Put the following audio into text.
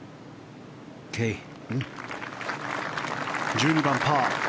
１２番、パー。